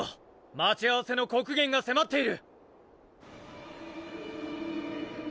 待ち合わせの刻限が迫っている。